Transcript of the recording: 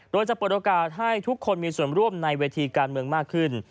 โดยจะเปิดโอกาสให้ทุกคนมีส่วนร่วมในเวทีการเมืองมากขึ้น